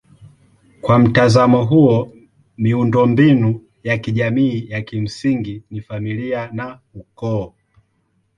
Kwa mtazamo huo miundombinu ya kijamii ya kimsingi ni familia na ukoo.